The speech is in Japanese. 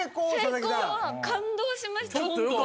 成功は感動しましたホントに。